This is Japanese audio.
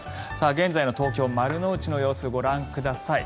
現在の東京・丸の内の様子ご覧ください。